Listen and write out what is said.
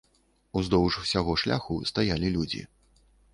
Уздоўж усяго шляху стаялі людзі.